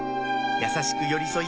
優しく寄り添い